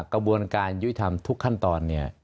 กระบวนการยุทธรรมทุกขั้นตอนเนี่ย